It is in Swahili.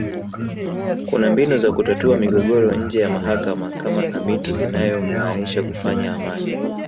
Kuna mbinu za kutatua migogoro nje ya mahakama kama amitu inayomaanisha kufanya amani